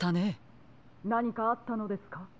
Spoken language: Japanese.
・なにかあったのですか？